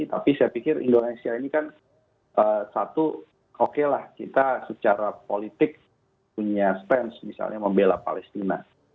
tapi saya pikir indonesia ini kan satu okelah kita secara politik punya stance misalnya membela palestina